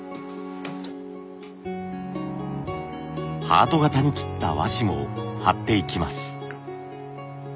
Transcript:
ハート形に切った和紙も貼っていきます。